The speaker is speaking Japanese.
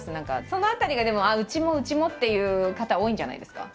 その辺りがでもうちもうちもっていう方多いんじゃないですか？